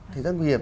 thì rất nguy hiểm